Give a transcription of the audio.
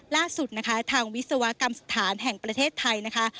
ล่าสุดนะคะทางวิศวกรรมสถานแห่งประเทศไทยนะคะ